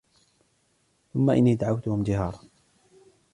ثم إني دعوتهم جهارا